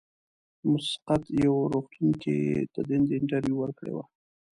د مسقط یوه روغتون کې یې د دندې انټرویو ورکړې وه.